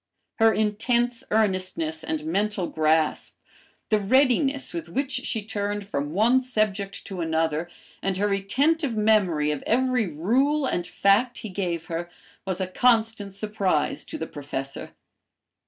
Her intense earnestness and mental grasp, the readiness with which she turned from one subject to another, and her retentive memory of every rule and fact he gave her, was a constant surprise to the Professor.